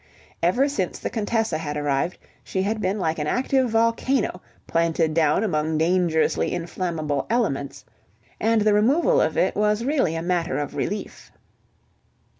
Ever since the Contessa had arrived, she had been like an active volcano planted down among dangerously inflammable elements, and the removal of it was really a matter of relief.